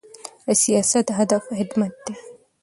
د سیاست هدف خدمت دی